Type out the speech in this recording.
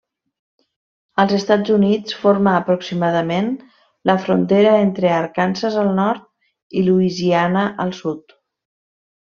Als Estats Units forma aproximadament la frontera entre Arkansas al nord i Louisiana al sud.